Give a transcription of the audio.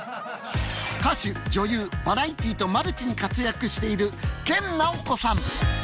歌手女優バラエティーとマルチに活躍している研ナオコさん。